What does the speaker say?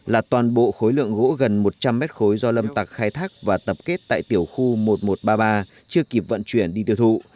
là toàn bộ khối lượng gỗ gần một trăm linh mét khối do lâm tạc khai thác và tập kết tại tiểu khu một nghìn một trăm ba mươi ba chưa kịp vận chuyển đi tiêu thụ